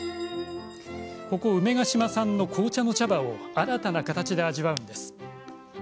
ここ、梅ケ島産の紅茶の茶葉を新たな形で味わうんです。